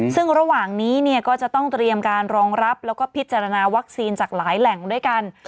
ซึ่งระหว่างนี้เนี่ยก็จะต้องเตรียมการรองรับแล้วก็พิจารณาวัคซีนจากหลายแหล่งด้วยกัน